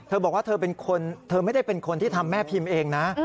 เธอบอกว่าเธอไม่ได้เป็นคนที่ทำแม่พิมพ์เองนะ